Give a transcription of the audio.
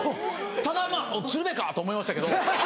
ただまぁ「鶴瓶か」と思いましたけど。